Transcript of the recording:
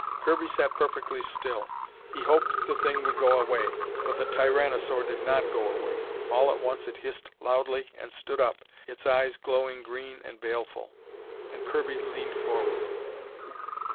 Kirby sat perfectly still. He hoped the thing would go away. But the tyranosaur did not go away. All at once it hissed loudly and stood up, its eyes glowing green and baleful, and Kirby leaned forward.